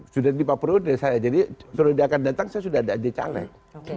sudah di pak prode saya jadi prode akan datang saya sudah ada di caleg